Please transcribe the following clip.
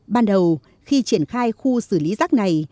ban đầu khi triển khai khu xử lý rác này